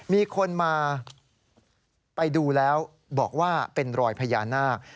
มีคนมาไปดูแล้วบอกว่าเป็นรอยพญานาค